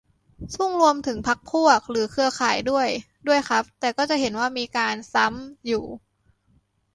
ซึ่งรวมถึง "พรรคพวก" หรือเครือข่ายด้วย ด้วยครับ แต่ก็จะเห็นว่ามีการ "ซ้ำ" อยู่